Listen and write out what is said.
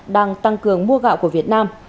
đang tăng cường mua gạo của việt nam